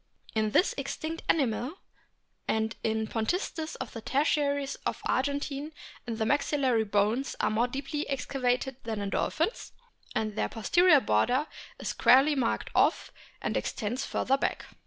In this extinct animal and in Pontistes of the tertiaries of the Argentine the maxillary bones are more deeply excavated than in dolphins, and their posterior border is squarely marked off and extends further back.